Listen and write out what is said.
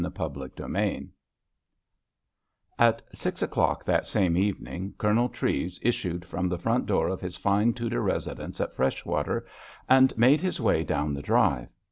CHAPTER XXIX At six o'clock that same evening Colonel Treves issued from the front door of his fine Tudor residence at Freshwater, and made his way down the drive.